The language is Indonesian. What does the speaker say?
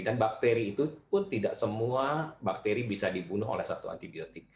dan bakteri itu pun tidak semua bakteri bisa dibunuh oleh satu antibiotik